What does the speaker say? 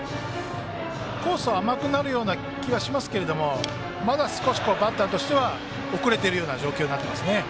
コースは甘くなるような気がしますがまだ少しバッターとしては遅れている状況ですね。